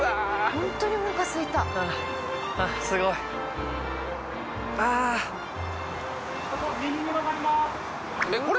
ホントにおなかすいたあっすごいえっこれ？